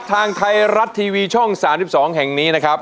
ทางไทยรัฐทีวีช่อง๓๒แห่งนี้นะครับ